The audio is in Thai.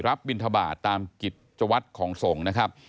รับบิณฑบาตตามกิจวัตรของทรงนะครับ